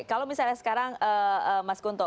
kalau misalnya sekarang mas kunto